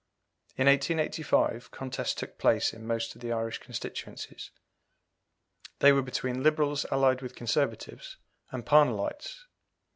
In 1885 contests took place in most of the Irish constituencies. They were between Liberals allied with Conservatives, and Parnellites.